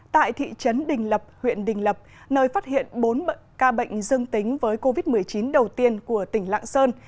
tại thị trấn đình lập huyện đình lập nơi phát hiện bốn ca bệnh dương tính với covid một mươi chín đầu tiên của tỉnh lạng sơn